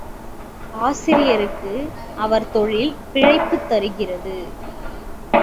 ஆசிரியருக்கு அவர் தொழில் பிழைப்பைத் தருகிறது.